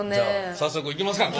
早速行きますか！